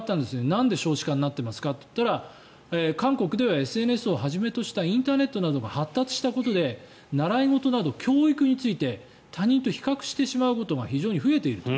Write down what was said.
なんで少子化になってますかといったら韓国ではＳＮＳをはじめとしたインターネットなどが発達したことで習い事など教育について他人と比較してしまうことが非常に増えていると。